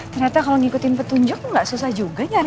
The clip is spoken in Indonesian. ternyata kalau ngikutin petunjuk gak susah juga nyatanya